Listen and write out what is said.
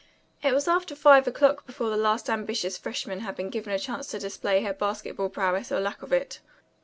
It was after five o'clock before the last ambitious freshman had been given a chance to display her basketball prowess or lack of it.